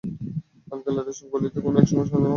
লাল কেল্লার এইসব গলিতে কোনো এক সময় শাহজাহান হাঁটতো।